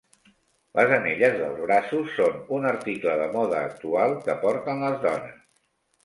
Les anelles dels braços són un article de moda actual que porten les dones.